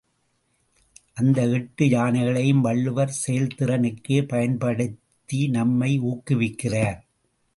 அந்த எட்டு யானைகளையும் வள்ளுவர் செயல்திறனுக்கே பயன்படுத்தி நம்மை ஊக்குவிக்கிறார்.